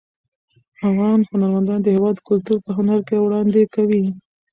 افغان هنرمندان د هیواد کلتور په هنر کې وړاندې کوي.